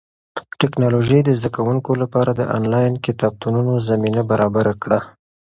ټیکنالوژي د زده کوونکو لپاره د انلاین کتابتونونو زمینه برابره کړه.